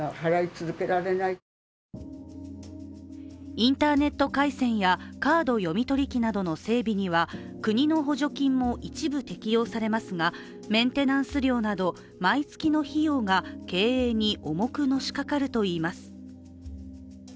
インターネット回線やカード読み取り機などの整備には国の補助金も一部適用されますがメンテナンス料など毎月の費用が経営に重くのしかかるといいます。